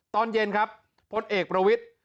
ตอนเย็นครับพลเอกประวิทธิ์